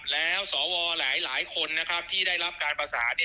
แล้วสวหลายคนที่ได้รับการประสาน